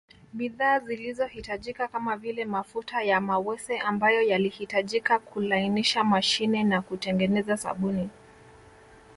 Bidhaa zilizo hitajika kamavile mafuta ya mawese ambayo yalihitajika kulainisha mashine na kutengeneza sabuni